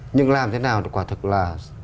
nhưng làm thế nào quả thực là